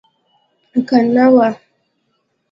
که نه وه.